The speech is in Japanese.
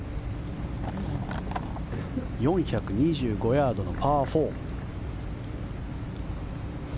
４２５ヤードのパー４。